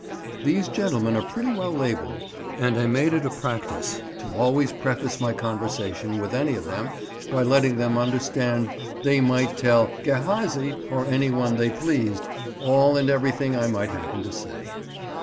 These gentlemen are pretty well labelled, and I made it a practice to always preface my conversation with any of them by letting them understand they might tell "Gehazi," or any one they pleased, all and everything I might happen to say.